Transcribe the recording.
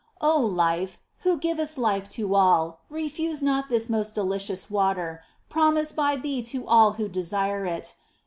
V 4. O Life, Who givest life to all ! refuse not this most delicious water, promised by Thee to all who desire it.